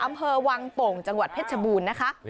อำเภอวังโป่งจังหวัดเพชรชบูรณ์นะคะ